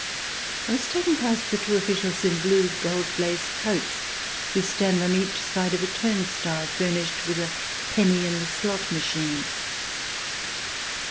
I was taken past the two officials in blue, gold laced coats who stand on each side of a turnstile furnished with a penny in the slot machine.